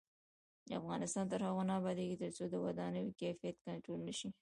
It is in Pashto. افغانستان تر هغو نه ابادیږي، ترڅو د ودانیو کیفیت کنټرول نشي.